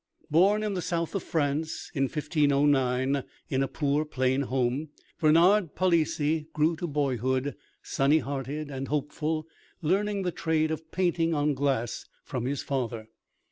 Born in the south of France in 1509, in a poor, plain home, Bernard Palissy grew to boyhood, sunny hearted and hopeful, learning the trade of painting on glass from his father.